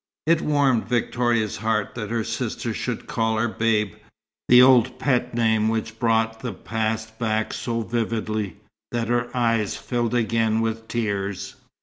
It warmed Victoria's heart that her sister should call her "Babe" the old pet name which brought the past back so vividly, that her eyes filled again with tears.